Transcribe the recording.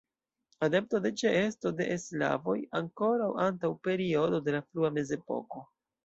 Adepto de ĉeesto de slavoj ankoraŭ antaŭ periodo de la frua mezepoko.